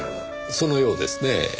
そのようですねぇ。